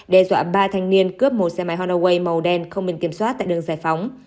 đe dọa ba thanh niên cướp một xe máy honda way màu đen không biển kiểm soát tại đường giải phóng